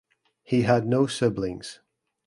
He had no siblings.